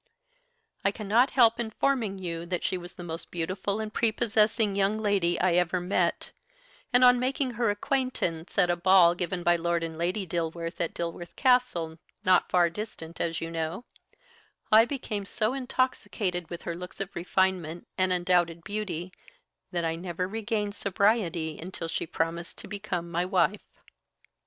"I cannot help informing you that she was the most beautiful and prepossessing young lady I ever met, and, on making her acquaintance at a ball given by Lord and Lady Dilworth, at Dilworth Castle, not far distant, as you know, I became so intoxicated with her looks of refinement and undoubted beauty that I never regained sobriety until she promised to become my wife!